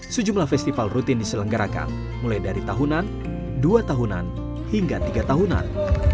sejumlah festival rutin diselenggarakan mulai dari tahunan dua tahunan hingga tiga tahunan